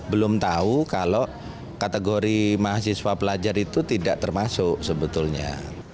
belum tahu kalau kategori mahasiswa pelajar itu tidak termasuk sebetulnya